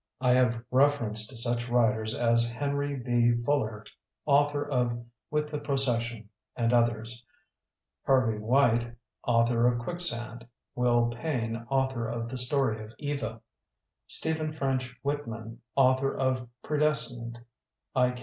I have refer ence to such writers as Henry B. Ful ler, author of With the Procession' and others; Hervey White, author of 'Quicksand'; Will Payne, author of 'The Story of Eva'; Stephen French Whitman, author of 'Predestined'; I.